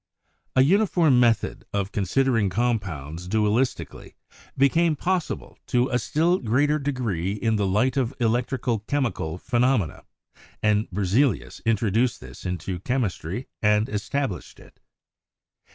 A uniform method of considering compounds dualistic ally became possible to a still greater degree in the light of electro chemical phenomena, and Berzelius introduced this into chemistry and established it.